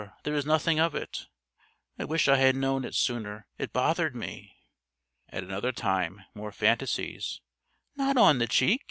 There is nothing of it._" "I wish I had known it sooner: it bothered me...." At another time more fantasies: "_... Not on the cheek!